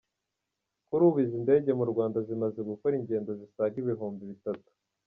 Kuri ubu izi ndege mu Rwanda zimaze gukora ingendo zisaga ibihumbi bitatu.